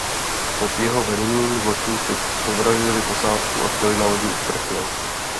Pod jeho vedením zločinci povraždili posádku a chtěli na lodi prchnout.